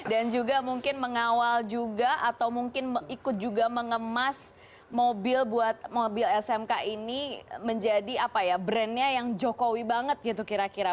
dan juga mungkin mengawal juga atau mungkin ikut juga mengemas mobil smk ini menjadi brandnya yang jokowi banget gitu kira kira